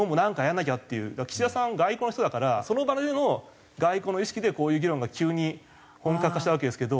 岸田さんは外交の人だからそのため外交の意識でこういう議論が急に本格化したわけですけど。